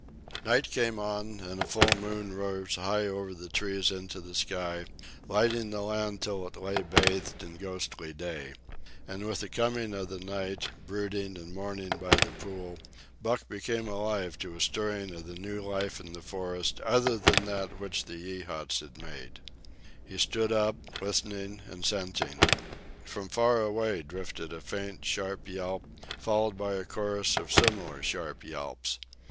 Night came on, and a full moon rose high over the trees into the sky, lighting the land till it lay bathed in ghostly day. And with the coming of the night, brooding and mourning by the pool, Buck became alive to a stirring of the new life in the forest other than that which the Yeehats had made, He stood up, listening and scenting. From far away drifted a faint, sharp yelp, followed by a chorus of similar sharp yelps.